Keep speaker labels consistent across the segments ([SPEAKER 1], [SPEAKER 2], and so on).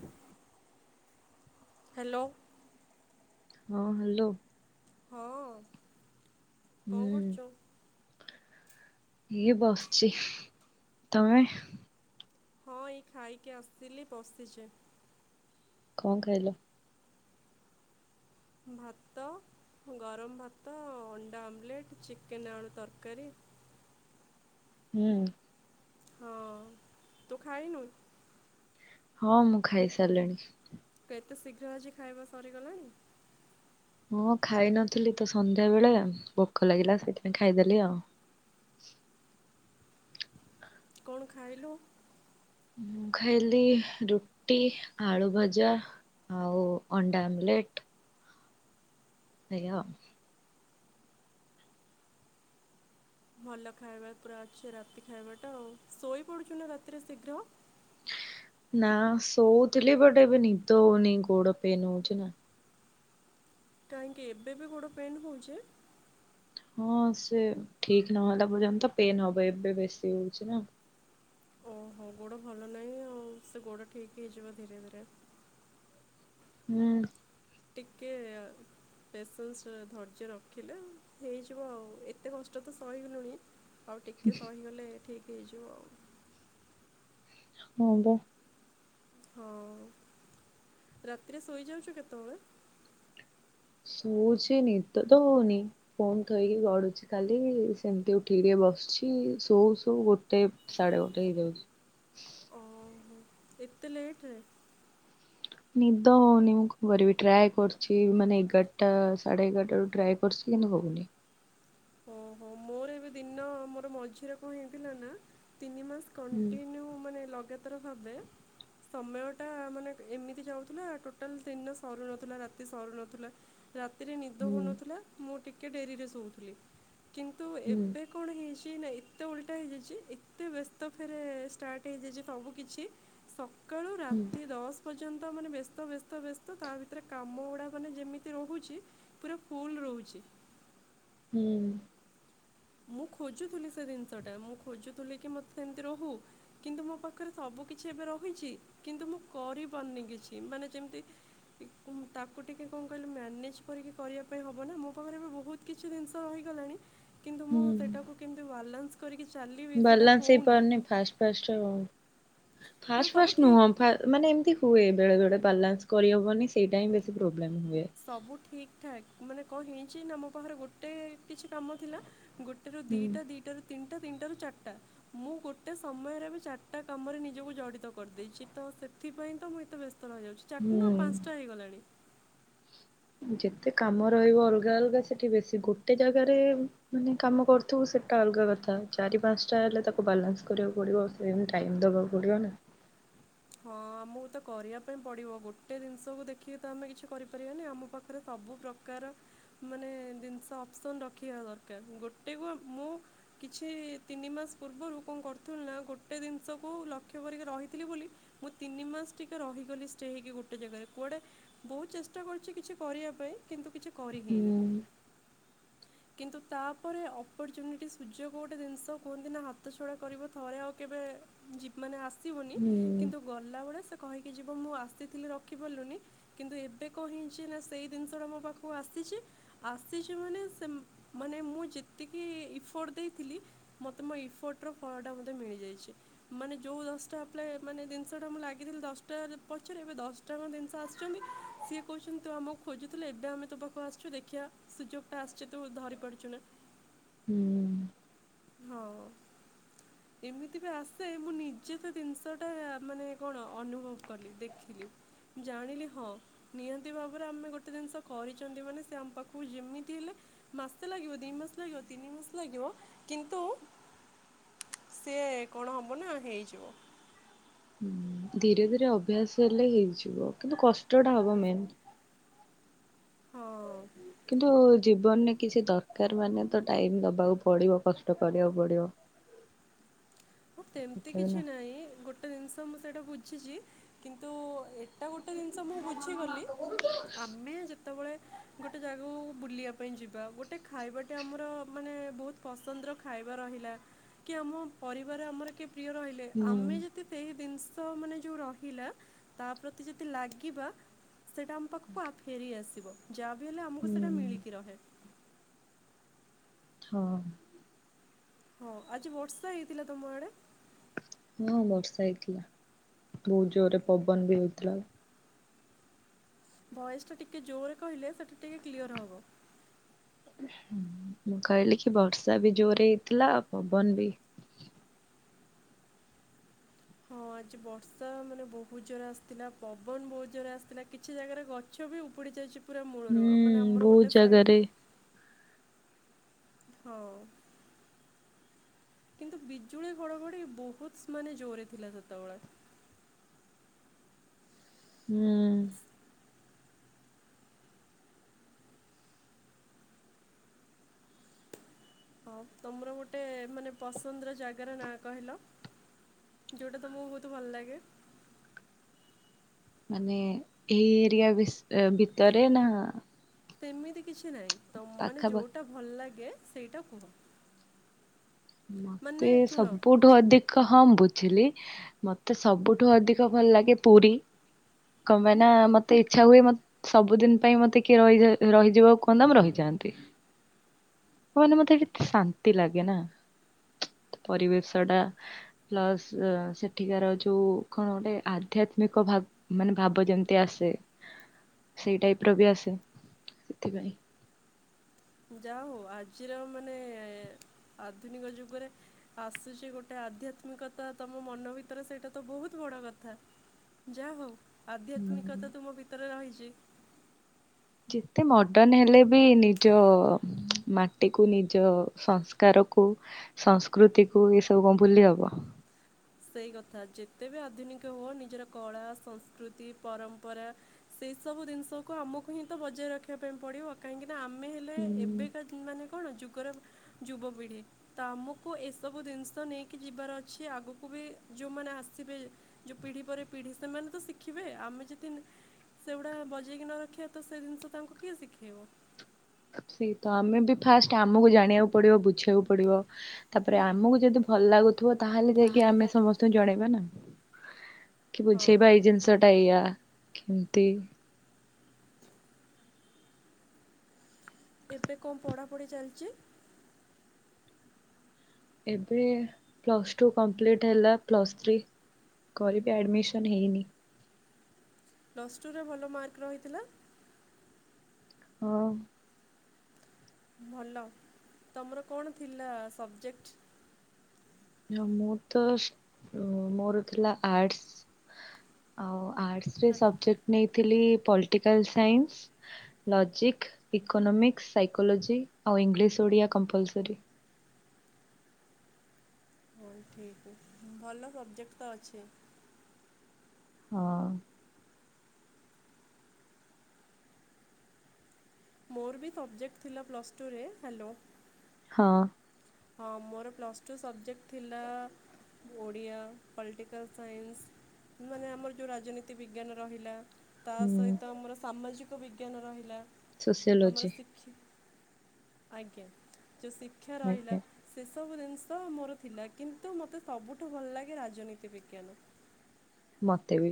[SPEAKER 1] [unintelligible]
[SPEAKER 2] Hello.
[SPEAKER 1] ହଁ hello.
[SPEAKER 2] ହଁ। କଣ
[SPEAKER 1] ହୁଁ
[SPEAKER 2] କରୁଛୁ?
[SPEAKER 1] ଇଏ ବସଛି ତମେ?
[SPEAKER 2] ହଁ ଏଇ ଖାଇକି ଆସିଲି ବଶଛେ।
[SPEAKER 1] କଣ କହିଲ?
[SPEAKER 2] ଭାତ ଗରମ ଭାତ ଅଣ୍ଡା ଆମ୍ଲେଟ୍ ଚିକେନ୍ ଆଳୁ ତରକାରୀ।
[SPEAKER 1] ହୁଁ।
[SPEAKER 2] ହଁ ତୁ ଖାଇ ନୁ?
[SPEAKER 1] ହଁ ମୁଁ ଖାଇ ସାରିଲିଣି।
[SPEAKER 2] ଏତେ ଶୀଘ୍ର ଆଜି ଖାଇବା ସରିଗଲାଣି।
[SPEAKER 1] ହଁ ଖାଇନଥିଲି ତ ସନ୍ଧ୍ୟା ବେଳେ ଭୋକ ଲାଗିଲା ସେଇଥିପାଇଁ ଖାଇଦେଲି ଆଉ।
[SPEAKER 2] କଣ ଖାଇଲୁ?
[SPEAKER 1] ମୁଁ ଖାଇଲି ରୁଟି ଆଳୁ ଭଜା ଆଉ ଅଣ୍ଡା ଆମଲେଟ ଆଜ୍ଞା।
[SPEAKER 2] ଭଲ ଖାଇବା ପୁରା ଅଛେ ରାତି ଖାଇବା ଟା ଆଉ ଶୋଇ ପଡୁଛୁ ନା ରାତିରେ ଶୀଘ୍ର।
[SPEAKER 1] ନା ସୋଚଲିି ବଟେବେ ନିଦନିଁ ଗୋଡପେ ନୁଜ ନା
[SPEAKER 2] କାହିଁକି ଏବେ ବି ଗୋଡ ପେନ ହଉଛି।
[SPEAKER 1] ହଁ ସେ ଠିକ ନହେଲା ପର୍ଯ୍ୟନ୍ତ ପେନ ହବ ଏବେ ବେଶୀ ହଉଛି ନା?
[SPEAKER 2] ଓହୋ ଗୋଡ ଭଲ ନାହିଁ ଆଉ ସେ ଗୋଡ ଠିକ ହେଇଯିବ ଧୀରେ ଧୀରେ।
[SPEAKER 1] ହୁଁ।
[SPEAKER 2] ଟିକେ ପେସେନ୍ସ ଧୈର୍ଯ୍ୟ ରଖିଲେ ହେଇଯିବ ଆଉ ଏତେ କଷ୍ଟ ତ ସହିଲଣି। ଆଉ ଟିକେ ସହିଗଲେ ଠିକ ହେଇଯିବ ଆଉ।
[SPEAKER 1] ହଁ ବା।
[SPEAKER 2] ହଁ ରାତିରେ ଶୋଇଯାଉଛୁ କେତେବେଳେ
[SPEAKER 1] ଶୋଉଛି ନିଦ ତ ହଉନି ଫୋନ ଥୋଇକି ଗଡୁଛି ଖାଲି ସେମିତି ଉଠିକିି ଟିକେ ବସୁଛି ଶୋଉ ଶୋଉ ଗୋଟେ ସାଢେ ଗୋଟେ ହେଇଯାଉଛି।
[SPEAKER 2] ଏତେ ଲେଟ୍ ରେ
[SPEAKER 1] ନିଦ ହୋଉନି କଣ କରିବି ଟ୍ରାଏ କରୁଛିି ମାନେ ଏଗାରଟା ସାଢେ ଏଗାରଟା ବେଳକୁ ଟ୍ରାଏ କରୁଛି କିନ୍ତୁ ହଉନି।
[SPEAKER 2] ଓହୋ ମୋର ଏବେ ଦିନ ମୋର ମଝିରେ କଣ ହେଇଥିଲା ନା। ତିନି ମାସ
[SPEAKER 1] ହୁଁ
[SPEAKER 2] କଣ୍ଟିିନିୟୁ ମାନେ ଲଗାତାର ର ଭାବେ ସମୟଟା ମାନେ ଏମିତି ଯାଉଥିଲା ଟୋଟାଲ ଦିନ ସରୁନଥିଲା ରାତି ସରୁ ନଥିଲା। ରାତିରେ ନିଦ
[SPEAKER 1] ହୁଁ
[SPEAKER 2] ହଉନଥିଲା ମୁଁ ଟିକେ ଟିକେ ଡେରିରେ ଶୋଉଥିଲଥିଲେ। କିନ୍ତୁ
[SPEAKER 1] ହୁଁ
[SPEAKER 2] ଏବେ କଣ ହେଇଛି କି ନାଇଁ ଏତେ ଓଲଟା ହେଇଯାଇଛି ଏତେ ବ୍ୟସ୍ତ ଫେରେ ଷ୍ଟାର୍ଟ ହେଇଯାଇଛି ସବୁ କିଛି। ସକାଳୁ
[SPEAKER 1] ହୁଁ
[SPEAKER 2] ରାତି ଦଶ ବଜେ ତାମାନେ ବ୍ୟସ୍ତ ବ୍ୟସ୍ତ ବ୍ୟସ୍ତ ତା ଭିତରେ କାମ ଗୁଡା ମାନେ ଯେମତିରହୁଛି ପୁରା ଫୁଲ୍ ରହୁଛି।
[SPEAKER 1] ହୁଁ।
[SPEAKER 2] ମୁଁ ଖୋଜୁଥିଲି ସେ ଜିନିଷଟା ମୁଁ ଖୋଜୁଥିଲି କି ମତେ ସେମିତି ରହୁ କିନ୍ତୁ ମୋ ପାଖରେ ସବୁ କିଛି ଏବେ ରହିଛି କିନ୍ତୁ ମୁଁ କରିପାରୁନି କିଛି ମାନେ ଯେମିତି ତାକୁ ଟିକେ କଣ କହିଲି ମ୍ୟାନେଜ କରିକି କରିବା ପାଇଁ ହେବ ନା ମୋ ପାଖରେ ଏବେ ବହୁତ କିଛି ଜିନିଷ ରହିଗଲାଣି। କିନ୍ତୁ ମୁଁ
[SPEAKER 1] ହୁଁ
[SPEAKER 2] ସେଟାକୁ କେମିତି ବାଲାନ୍ସ କରିକି ଚାଲିବି ସେଇଟା
[SPEAKER 1] ବାଲାନ୍ସ ହେଇ
[SPEAKER 2] ହେଉନି
[SPEAKER 1] ପାରୁନି
[SPEAKER 2] ନା
[SPEAKER 1] ଫାଷ୍ଟ ଫାଷ୍ଟ ଫାଷ୍ଟ
[SPEAKER 2] ସବୁ
[SPEAKER 1] ଫାଷ୍ଟ
[SPEAKER 2] ଠିକ୍
[SPEAKER 1] ନୁହଁ ମାନେ ଏମିତି ହୁଏ। ବେଳେ ବେଳେ ବାଲାନ୍ସ କରିହବନି ସେଇଟା ବେଶୀ ପ୍ରୋବ୍ଲେମ ହୁଏ।
[SPEAKER 2] ସବୁ ଠିକ ଠାକ୍। ମାନେ କଣ ହେଇଛି ନା ଆମ ପାଖରେ ଗୋଟେ କିଛି କାମ ଥିଲା। ଗୋଟେରୁ
[SPEAKER 1] ହୁଁ
[SPEAKER 2] ଦିଟା ଦିଟାରୁ ତିନିଟା ତିନିଟାରୁ ଚାରିଟା ମୁଁ ଗୋଟେ ସମୟରେ ଏବେ ଚାରିଟା କାମରେ ନିଜକୁ ଜଡ଼ିତ କରିଦେଇଛି ତ ସେଥିପାଇଁ ତ ମୁଁ ଏତେ ବ୍ୟସ୍ତ ର ହୋଇଇଯାଉଛି ଚାରିଟା ନୁହଁ
[SPEAKER 1] ହୁଁ।
[SPEAKER 2] ପାଞ୍ଚଟା ହେଇଗଲାଣି।
[SPEAKER 1] ଯେତେ କାମ ରହିବ ଅଲଗା ଅଲଗା ସେଠି ବେଶୀ ଗୋଟେ ଜାଗାରେ ମାନେ କାମ କରୁଥିବୁ ସେଟା ଅଲଗା କଥା ଚାରି ପାଞ୍ଚଟା ହେଲେ ତାକୁ ବାଲାନ୍ସ କରିବାକୁ ପଡିବ ସେମତି ଟାଇମ ଦବାକୁ ପଡିବ ନା।
[SPEAKER 2] ହଁ ଆମକୁ ତ କରିବା ପାଇଁ ପଡ଼ିବ ଗୋଟେ ଜିନିଷକୁ ଦେଖିକି ତ ଆମେ କିଛି କରିପାରିବାନି ଆମ ପାଖରେ ସବୁ ପ୍ରକାର ମାନେ ଜିନିଷ ଅପ୍ସନ୍ ରଖିବା ଦରକାର ଗୋଟେକୁ ମୁଁ କିଛି ତିନି ମାସ ପୂର୍ବରୁ କଣ କରୁଥିଲି ନା ଗୋଟେ ଜିନିଷକୁ ଲକ୍ଷ୍ୟ କରିକି ରହିଥିଲି ବୋଲି। ମୁଁ ତିନି ମାସ ଟିକେ ରହିଗଲି ଷ୍ଟେ ହେଇକି ଗୋଟେ ଜାଗାରେ କୁଆଡ଼େ ବହୁତ ଚେଷ୍ଟା କରୁଛି କିଛି କରିବା ପାଇଁ କିନ୍ତୁ କିଛି କରି
[SPEAKER 1] ହୁଁ
[SPEAKER 2] ହେଇନି। କିନ୍ତୁ ତାପରେ ଅପର୍ଚୁନିଟି ସୁଯୋଗ ଗୋଟେ ଜିନିଷ କୁହନ୍ତି ନା ହାତ ଛଡା କରିବ ଥରେ ଆଉ କେବେ ମାନେ ଆସିବନି।
[SPEAKER 1] ହୁଁ
[SPEAKER 2] କିନ୍ତୁ ଗଲାବେଳେ ସେ କହିକି ଯିବ ମୁଁ ଆସିଥିଲି ରଖିପାରିଲୁନି କିନ୍ତୁ ଏବେ କହି ଯେ ନା ସେଇ ଜିନିଷଟା ମୋ ପାଖକୁ ଆସିଛି ଆସିଛି ମାନେ ସେ ମାନେ ମୁଁ ଯେତିକି ଇଫୋର୍ଟ ଦେଇଥିଲି ମୋତେ ମୋ ଇଫୋର୍ଟର ଫଳଟା ମୋତେ ମିଳିଯାଇଛି ମାନେ ଯେଉଁ ଦଶଟା ଆପ୍ ମାନେ ଜିନିଷଟା ମୁଁ ଲାଗିଥିଲି ଦଶଟା ପଛରେ ଏବେ ଦଶଟାଙ୍କ ଜିନିଷ ଆସୁଛନ୍ତି ସିଏ କହୁଛନ୍ତି ତୁ ଆମକୁ ଖୋଜୁୁଥୁଲୁ ଏବେ ଆମେ ତୋ ପାଖକୁ ଆସିଛୁ ଦେଖିଆ ସୁଯୋଗ ଟା ଆସିଛି ତୁ ଧରି ପାରୁଛୁ ନା
[SPEAKER 1] ହୁଁ।
[SPEAKER 2] ହଁ ଏମିତି ବି ଆସେ ମୁଁ ନିଜେ ସେ ଜିନିଷ ଟା ମାନେ କଣ ଅନୁଭବ କଲି ଦେଖିଲି ଜାଣିଲି ହଁ ନିହାତି ଭାବରେ ଆମେ ଗୋଟେ ଜିନିଷ କରିଛନ୍ତି ମାନେ ସେ ଆମ ପାଖକୁ ଯେମିତି ହେଲେ ମାସେ ଲାଗିବ ଦି ମାସ ଲାଗିବ ତିନି ମାସ ଲାଗିବ କିନ୍ତୁ ସିଏ କଣ ହବ ନା ହେଇଯିବ।
[SPEAKER 1] ହୁଁ ଧିରେ ଧିରେ ଅଭ୍ୟାସ ହେଲେ ହେଇଯିବ କିନ୍ତୁ କଷ୍ଟ ଟା ହବ ମେନ୍
[SPEAKER 2] ହଁ।
[SPEAKER 1] କିନ୍ତୁ ଜୀବନରେ କିଛି ଦରକାର ମାନେ ତ ଟାଇମ ଦବାକୁ ପଡିବ କଷ୍ଟ କରିଆକୁ ପଡିବ।
[SPEAKER 2] ସେମିତି
[SPEAKER 1] ଉଠେଇବି ନା
[SPEAKER 2] କିଛି ନାଇଁ ଗୋଟେ ଗୋଟେ ଜିନିଷ ମୁଁ ସେଇଟା ବୁଝିଛି କିନ୍ତୁଏ ଏଟା ଗୋଟେ ଜିନିଷ ମୁଁ ବୁଝିଗଲି ଆମେ ଯେତବଳେ ଗୋଟେ ଜାଗାକୁ ବୁଲିଆ ପାଇଁ ଯିବା ଗୋଟେ ଖାଇବା ଟେ ଆମର ମାନେ ବହୁତ ପସନ୍ଦର ଖାଇବା ରହିଲା କି ଆମ ପ ର ଆମର କିଏ ପ୍ରିୟ ରହିଲେ
[SPEAKER 1] ହୁଁ
[SPEAKER 2] ଆମେ ଯଦି ସେହି ଜିନି ସ ମାନେ ଯୋଉ ରହିଲା ତା ପ୍ରତି ଯଦି ଲାଗିବା ସେଇଟା ଆମ ପାଖୁକୁ ଫେରି ଆସ ସିବ। ଯାହା ବିି ହେଲେ ଆମକୁ
[SPEAKER 1] ହୁଁ
[SPEAKER 2] ସେଇଟା ମିଳିକି ରହେ।
[SPEAKER 1] ହଁ।
[SPEAKER 2] ହଁ ଆଜି ବର୍ଷା ହେଇଥିଲା ତମ ଆଡେ?
[SPEAKER 1] ହଁ ବର୍ଷା ହେଇଥିଲା ବହୁତ ଜୋରରେ ପବନ ବି ହେଇଥିଲା ଆଉ
[SPEAKER 2] ଭଏସ ଟା ଟିକେ ଜୋରେ କହିଲେ ସେଟା ଟିକେ କ୍ଲିଅର ହବ।
[SPEAKER 1] ମୁଁ କହିଲି କି ବର୍ଷା ବି ଜୋର ହେଇଥିଲା ଆଉ ପବନ ବି।
[SPEAKER 2] ହଁ ଆଜି ବର୍ଷା ମାନେ ବହୁତ ଜୋରରେ ଆସିଥିଲା ପବନ ବହୁତ ଜୋରରେ ଆସିଥିଲା କିଛି ଜାଗାରେ ଗଛ ବି ଉପୁଡି ଯାଇଛି। ପୁରା ମୂଳରୁ
[SPEAKER 1] ହୁଁ
[SPEAKER 2] ମାନେ ଆମର
[SPEAKER 1] ବହୁତ
[SPEAKER 2] ଗୋଟେ ସାଇଟଟ୍
[SPEAKER 1] ଜାଗାରେ
[SPEAKER 2] ହଉ। କିନ୍ତୁ ବିଜୁଳି ଘଡଘଡି ବହୁତ ମାନେ ଜୋରେ ଥିଲା ସେତବଳେ
[SPEAKER 1] ହୁଁ।
[SPEAKER 2] ହଁ ତମର ଗୋଟେ ମାନେ ପସନ୍ଦର ଜାଗାର ନାଁ କହିଲ ଯୋଉଟା ତମକୁ ବହୁତ ଭଲ ଲାଗେ।
[SPEAKER 1] ମାନେ ଏଇ ଏରିଆ ଭିତରେ ନା
[SPEAKER 2] ସେମିତି କିଛି ନାଇଁ। ତ ମାନେ
[SPEAKER 1] ପାଖାପାଖି
[SPEAKER 2] ଯୋଉଟା ଭଲ ଲାଗେ ସେଇଟା କୁହ। ମାନେ
[SPEAKER 1] ମତେ
[SPEAKER 2] ଶୁଣ
[SPEAKER 1] ସବୁଠୁ ଅଧିକ ହମ୍ବୁ ଝିଲି ମତେ ସବୁଠୁ ଅଧିକ ଭଲ ଲାଗେ ପୁରୀ କଣ ପାଇଁ ନା ମତେ ଇଚ୍ଛା ହୁଏ ସବୁଦିନ ପାଇଁ ମତେ କିଏ ରହି ରହିଯିବାକୁ କୁହନ୍ତା ମୁଁ ରହିଯାଆନ୍ତି କୁହନି ମତେ କେତେ ଶାନ୍ତି ଲାଗେ ନା। ପରିବେଶ ଟା ପ୍ଲସ୍ ସେଠିକାର ଯୋଉ କଣ ଗୋଟେ ଆଧ୍ୟାତ୍ମିକ ଭା ଭାବ ମାନେ ଭାବ ଯେମତି ଆସେ ସେଇ ଟାଇପର ବି ଆସେ ସେଥିପାଇଁ
[SPEAKER 2] ଯା ହଉ ଆଜିର ମାନେ ଆଧୁନିକ ଯୁଗରେ ଆସୁଛି ଗୋଟେ ଆଧ୍ୟାତ୍ମିକତା ତମ ମନ ଭିତରେ ସେଇଟା ତ ବହୁତ ବଡ କଥା ଯା ହଉ
[SPEAKER 1] ହୁଁ।
[SPEAKER 2] ଆଧ୍ୟାତ୍ମିକତା ତୁମ ଭିତରେ ରହିଚି। [inaudible]
[SPEAKER 1] ଯେତେ ମଡର୍ଣ୍ଣ ହେଲେ ବି ନିଜ ମାଟି କୁ ନିଜ ସଂସ୍କାର କୁ ସଂସ୍କୃତି କୁ ଏସବୁ କଣ ଭୁଲି ହବ।
[SPEAKER 2] ସେଇ କଥା ଯେତେ ବି ଆଧୁନିକ ହୁଅ ନିଜର କଳା, ସଂସ୍କୃତି, ପରମ୍ପରା ସେଇସବୁ ଜିନିଷକୁ ଆମକୁ ହିଁ ତ ବଜାୟ ରଖିବା ପାଇଁ ପଡିବ କାହିଁକି ନା ଆମେ ହେଲେ ଏବେକା ମାନେ କଣ ଯୁଗର ଯୁବପିଢ଼ି ତ ଆମକୁ ଏସବୁ ଜିନିଷ ନେଇକି ଯିବାର ଅଛି ଆଗକୁ। ତା କୁ ବି ଯେଉଁମାନେ ଆସିବେ ଯେଉଁ ପିଢ଼ି ପରେ ପିଢ଼ି ସେମାନେ ତ ଶିଖିବେ ଆମେ ଯଦି ସେଗୁଡ଼ା ବଜେଇକି ନ ରଖିବା ତ ସେ ଜିନିଷ ତାଙ୍କୁ କିଏ ଶିଖେଇବ।
[SPEAKER 1] ସେ ତ ଆମେ ବି ଫାଷ୍ଟ ଆମକୁ ଜାଣିବାକୁ ପଡିବ ବୁଝିବାକୁ ପଡିବ ତାପରେ ଆମକୁ ଯଦି ଭଲ ଲାଗୁ ଥିବ ତାହେଲେ ଯାଇକି ଆମେ ସମସ୍ତଙ୍କୁ ଜଣେଇବା ନା କି
[SPEAKER 2] ହଁ
[SPEAKER 1] ବୁଝେଇ ବା ଏଇ ଜିନିଷଟା ଏୟା। କେମିତି
[SPEAKER 2] ଏବେ କଣ ପଢାପଢି ଚାଲିଛି।
[SPEAKER 1] ଏବେ ପ୍ଲସ୍ ଟୁ କମ୍ପ୍ଲିଟ ହେଲା ପ୍ଲସ୍ ଥ୍ରୀ କରିବି ଆଡମିସନ ହେଇନି।
[SPEAKER 2] ପ୍ଲସ୍ ଟୁରେ ଭଲ ମାର୍କ ରହିଥିଲା।
[SPEAKER 1] ହଁ।
[SPEAKER 2] ଭଲ ତମର କଣ ଥିଲା ସବଜେକ୍ଟ?
[SPEAKER 1] ମୋର ତ ମୋର ଥିଲା ଆର୍ଟସ ଆଉ ଆର୍ଟସରେ ସବଜେକ୍ଟ ନେଇ ଥିଲି political science logic economics psychology ଆଉ ଇଂଲିଶ ଓଡ଼ିଆ କମ୍ପଲସରି।
[SPEAKER 2] ହଉ ଠିକ୍ ଭଲ ସବଜେକ୍ଟ ତ ଅଛି।
[SPEAKER 1] ହଁ।
[SPEAKER 2] ମୋର ବି ସବଜେକ୍ଟ ଥିଲା ପ୍ଲସ୍ ଟୁରେ ହ୍ୟାଲୋ
[SPEAKER 1] ହଁ।
[SPEAKER 2] ହଁ ମୋର ପ୍ଲସ୍ ଟୁ ସବଜେକ୍ଟ ଥିଲା ଓଡ଼ିଆ ପଲିଟିକାଲସାଇନ୍ସ ମାନେ ଆମର ଯେଉଁ ରାଜନୀତି ବିଜ୍ଞାନ ରହିଲା ତା
[SPEAKER 1] ହୁଁ
[SPEAKER 2] ସହିତ ଆମର ସାମାଜିକ ବିଜ୍ଞାନ ରହିଲା। ଆମର
[SPEAKER 1] ସୋସିଓଲୋଜି
[SPEAKER 2] ସିିଖି ଆଜ୍ଞା। ଯେଉ ଶିକ୍ଷା ରହିଲା।
[SPEAKER 1] ଆଜ୍ଞା
[SPEAKER 2] ସେ ସବୁ ଜିନିଷ ମୋର ଥିଲା କିନ୍ତୁ ମୋତେ ସବୁଠୁ ଭଲ ଲାଗେ ରାଜନୀତି ବିଜ୍ଞାନ।
[SPEAKER 1] ମତେ ବି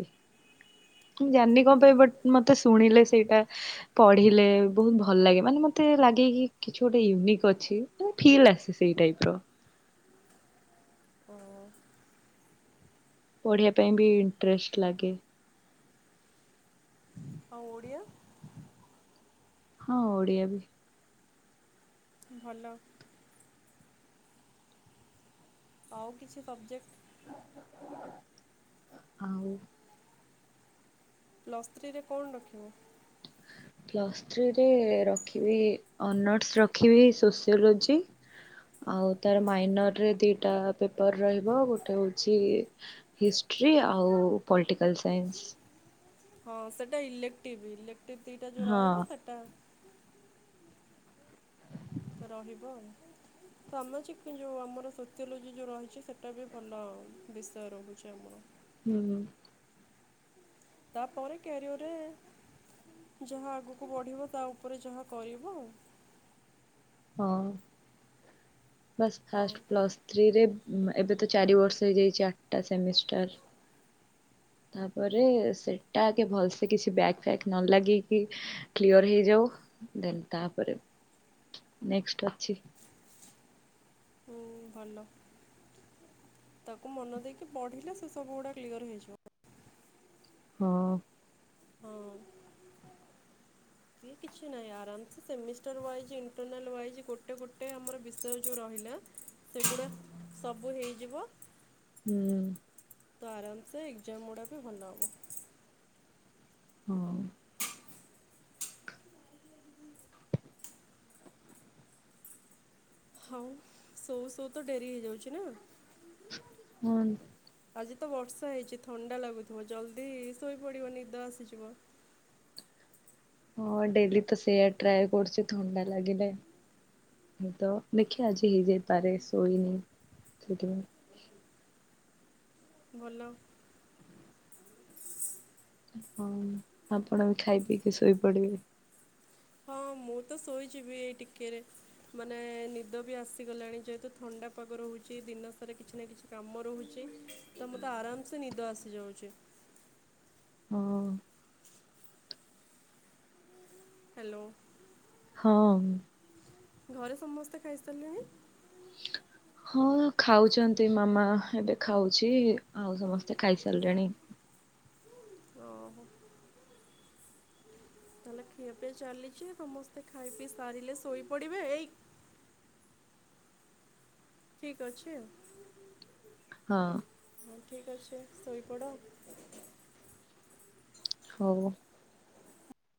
[SPEAKER 1] ମୁଁ ଜାଣିନି କଣ ପାଇଁ ବଟ ମତେ ଶୁଣିଲେ ସେଇଟା ପଢିଲେ ବହୁତ ଭଲ ଲାଗେ ମାନେ ମତେ ଲାଗେ କି କିଛି ଗୋଟେ ୟୁନିକ୍ ଅଛିା ଫିଲ୍ ଆସେ ସେଇ ଟାଇପର।
[SPEAKER 2] ଓ
[SPEAKER 1] ପଢିବା ପାଇଁ ବି ଇଣ୍ଟରେଷ୍ଟ ଲାଗେ।
[SPEAKER 2] ଆଉ ଓଡ଼ିଆ
[SPEAKER 1] ହଁ ଓଡ଼ିଆ ବି
[SPEAKER 2] ଭଲ ଆଉ କିଛି ସବଜେକ୍ଟ
[SPEAKER 1] ଆଉ
[SPEAKER 2] ପ୍ଲସ୍ତ୍ରୀରେ କଣ ରଖିବ।
[SPEAKER 1] ପ୍ଲସ୍ତ୍ରୀରେ ରଖିବି ଅନର୍ସ ରଖିବି ସୋସିଓଲୋଜି ଆଉ ତାର ମାଇନରରେ ଦୁଇଟା ପେପର୍ ରହିବ ଗୋଟେ ହେଉଛି ହିଷ୍ଟ୍ରି ଆଉ ପଲିଟିକାଲ ସାଇନ୍ସ।
[SPEAKER 2] [inaudible] ତି ତିଟା ଯୋଉ
[SPEAKER 1] ହଁ
[SPEAKER 2] ରହିବ ସେଟା ରହିବ। ସାମାଜିକ ଯୋଉ ଆମର ସୋସିଓଲୋଜି ଯୋଉ ରହିଛି ସେଟା ବି ଭଲ ବିଷୟ ରହୁଚି ଆମର।
[SPEAKER 1] ହୁଁ।
[SPEAKER 2] ତାପରେ କ୍ୟାରିଅରରେ ଯାହା ଆଗୁକୁ ବଢ଼ିବ ତା ଉପରେ ଯାହା କରିବ ଆଉ।
[SPEAKER 1] ହଁ। ବାସ୍
[SPEAKER 2] ଆଉ।
[SPEAKER 1] ଫାଷ୍ଟ ପ୍ଲସ୍ ଥ୍ରୀରେ ଉମା ଏବେ ତ ଚାରି ବର୍ଷ ହେଇଯାଇଚି ଆଟା ସେମିଷ୍ଟାର। ତାପରେ ସେଟା ଆଗେ ଭଲସେ କିଛି ବ୍ୟାକ୍ ଫ୍ୟାକ୍ ନ ଲାଗିକି କ୍ଲିୟର ହେଇଯାଉ ଦେନ୍ ତାପରେ ନେଷ୍ଟ୍ ଅଛି।
[SPEAKER 2] ହୁଁ ଭଲ ତାକୁ ମନ ଦେଇକି ପଢିଲେ ସେ ସବୁଉଡା କ୍ଲିୟର ହେଇଯିବ।
[SPEAKER 1] ହଁ।
[SPEAKER 2] ଇଏ କିଛି ନାଇଁ ଆରାମସେ ସେମିଷ୍ଟର ୱାଇଜ ଇଣ୍ଟରନାଲ ୱାଇଜ୍ ଗୋଟେ ଗୋଟେ ଆମର ବିଷୟ ଯୋଉ ରହିଲା ସେଗୁଡ଼ା ସବୁ ହେଇଯିବ।
[SPEAKER 1] ହୁଁ।
[SPEAKER 2] ତ ଆରାମସେ ଏକ୍ଜାମଉଡ଼ା ବି ଭଲ ହବ।
[SPEAKER 1] ହଁ।
[SPEAKER 2] ହଉ ସୋଉ ସୋଉ ତ ଡେରି ହେଇଯାଉଚି ନାଁ।
[SPEAKER 1] ହଁଁ ତ।
[SPEAKER 2] ଆଜି ତ ବର୍ଷା ହେଇଚି ଥଣ୍ଡା ଲାଗୁଥୁବ ଜଲ୍ଦି ଶୋଇପଡି଼ବ ନିଦ ଆସିଯିବ।
[SPEAKER 1] ହଁ ଡେଲି ତ ସେଇୟା ଟ୍ରାଏ କରୁଚି ଥଣ୍ଡା ଲାଗିଲେ ତ ଦେଖିଆ ଆଜି ଯେ ପାରେ ଶୋଇନି ସେଇଥିପାଇଁ।
[SPEAKER 2] ଭଲ।
[SPEAKER 1] ହଁ ଆପଣ ବି ଖାଇ ପିଇକି ଶୋଇପଡି଼ବେ।
[SPEAKER 2] ହଁ ମୁଁ ତ ଶୋଇଯିବି ଏଇ ଟିକେରେ ମାନେ ନିଦ ବି ଆସିଗଲାଣି ଯେହେତୁ ଥଣ୍ଡା ପାଗ ରହୁଚି ଦିନ ସାରା କିଛି ନାଁ କିଛି କାମ ରହୁଚି ତ ମତେ ଆରାମସେ ନିଦ ଆସିଯାଉଚି।
[SPEAKER 1] ହଁ।
[SPEAKER 2] ହ୍ୟାଲୋ।
[SPEAKER 1] ହଁ।
[SPEAKER 2] ଘରେ ସମସ୍ତେ ଖାଇସାରଲେଣି?
[SPEAKER 1] ହଁ ଖାଉଚନ୍ତି ମାମା ଏବେ ଖାଉଚି ଆଉ ସମସ୍ତେ ଖାଇସାରଲେଣି।
[SPEAKER 2] ଓହୋ। ତାହେଲେ ଖିଆ ପିଆ ଚାଲିଚି ସମସ୍ତେ ଖାଇ ପିଇ ସାରିଲେ ଶୋଇପଡି଼ବେ ଏଇ ଠିକ ଅଛି ଆଉ।
[SPEAKER 1] ହଁ।
[SPEAKER 2] ଅଁ ଠିକ୍ ଅଛି ଶୋଇ ପଡ଼।
[SPEAKER 1] ହୋଉ।